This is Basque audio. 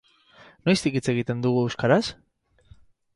Noiztik hitz egiten dugu euskaraz?